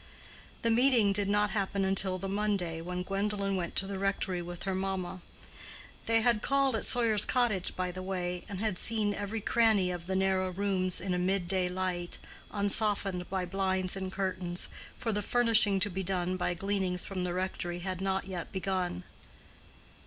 The meeting did not happen until the Monday, when Gwendolen went to the rectory with her mamma. They had called at Sawyer's Cottage by the way, and had seen every cranny of the narrow rooms in a midday light, unsoftened by blinds and curtains; for the furnishing to be done by gleanings from the rectory had not yet begun.